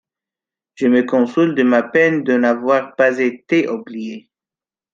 Je me console de ma peine de n'avoir pas été oublié.